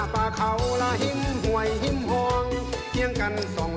และกับฉันรับไปด้วยกันทุกธิพยาง